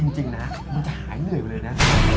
จริงนะมันจะหายเหนื่อยไปเลยนะ